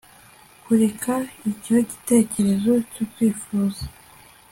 kureka icyo kigeragezo cyo kwifuza